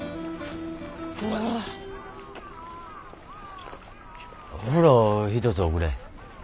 お風呂ひとつおくれ。